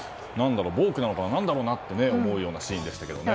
ボークなのかな何なのかなと思うシーンでしたけどね。